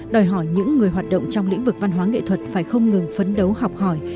đòi hỏi những người hoạt động trong lĩnh vực văn hóa nghệ thuật phải không ngừng phấn đấu học hỏi